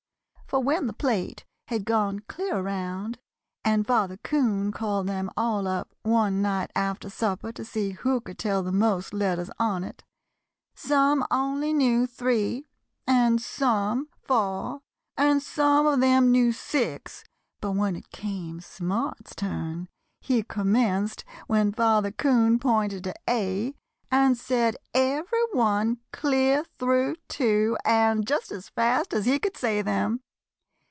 For when the plate had gone clear around and Father 'Coon called them all up one night after supper to see who could tell the most letters on it, some only knew three and some four, and some of them knew six, but when it came Smart's turn he commenced when Father 'Coon pointed to A, and said every one clear through to & just as fast as he could say them.